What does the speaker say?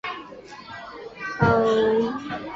洛基的赌注是连续体谬误的一例。